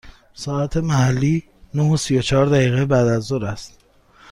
ساعت محلی نه و سی و چهار دقیقه بعد از ظهر است.